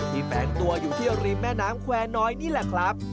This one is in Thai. แฝงตัวอยู่ที่ริมแม่น้ำแควร์น้อยนี่แหละครับ